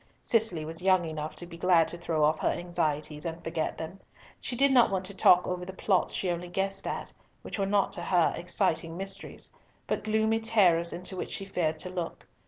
Cicely was young enough to be glad to throw off her anxieties and forget them. She did not want to talk over the plots she only guessed at; which were not to her exciting mysteries, but gloomy terrors into which she feared to look.